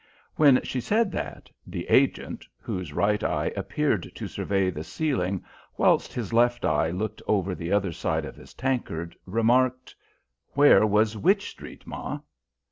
When she said that, The Agent, whose right eye appeared to survey the ceiling, whilst his left eye looked over the other side of his tankard, remarked: "Where was Wych Street, ma?"